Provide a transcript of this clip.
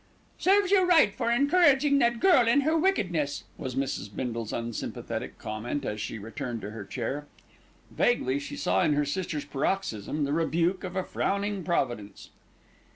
"Serves you right for encouraging that girl in her wickedness," was Mrs. Bindle's unsympathetic comment as she returned to her chair. Vaguely she saw in her sister's paroxysm, the rebuke of a frowning Providence.